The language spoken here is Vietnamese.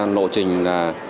lộ trình là